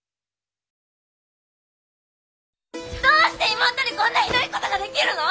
どうして妹にこんなひどい事ができるの！？